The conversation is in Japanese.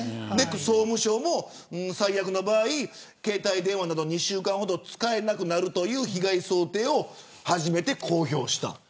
総務省も最悪の場合携帯電話など２週間ほど使えなくなるという被害想定を初めて公表した。